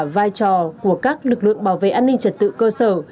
vai trò của các lực lượng bảo vệ an ninh trật tự cơ sở